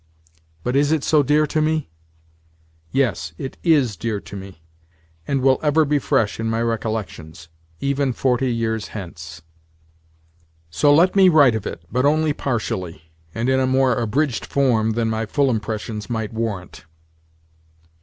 But is it so dear to me? Yes, it is dear to me, and will ever be fresh in my recollections—even forty years hence.... So let me write of it, but only partially, and in a more abridged form than my full impressions might warrant.